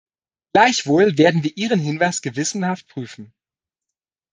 Gleichwohl werden wir Ihren Hinweis gewissenhaft prüfen.